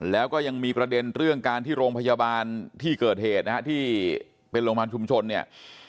แล้วก็ยังมีประเด็นเรื่องการที่โรงพยาบาลที่เกิดเหตุนะฮะที่เป็นโรงพยาบาลชุมชนเนี่ย